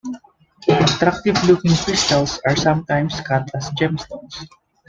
Attractive-looking crystals are sometimes cut as gemstones.